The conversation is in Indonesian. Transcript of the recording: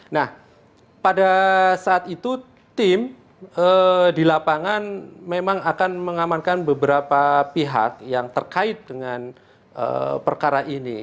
nah pada saat itu tim di lapangan memang akan mengamankan beberapa pihak yang terkait dengan perkara ini